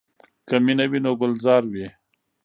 که مینه وي نو ګلزار وي.